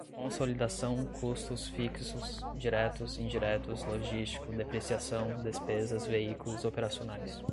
consolidação custos fixos diretos indiretos logístico depreciação despesas veículos operacionais